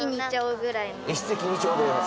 一石二鳥で。